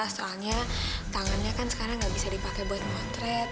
soalnya tangannya kan sekarang gak bisa dipake buat motret